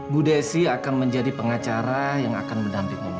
bu desi akan menjadi pengacara yang akan menampilkan ibu